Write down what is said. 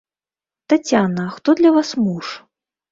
Таццяна, хто для вас муж?